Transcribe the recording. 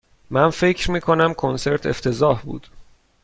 من فکر می کنم کنسرت افتضاح بود.